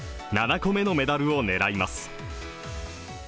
７個目のメダルを狙います。